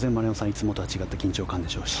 いつもと違った緊張感でしょうし。